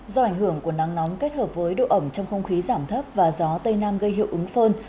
do ảnh hưởng của nắng nóng kết hợp với độ ẩm trong không khí giảm thấp và gió tây nam gây hiệu ứng phơn